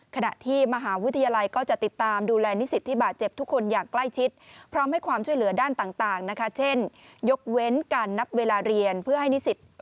ขณะที่มหาวิทยาลัยก็จะติดตามดูแลนิสิทธิ์ที่บาดเจ็บทุกคนอย่างใกล้ชิด